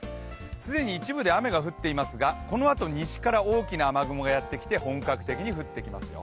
既に一部で雨が降っていますが、このあと西から大きな雨雲がやってきて雨が降ってきます。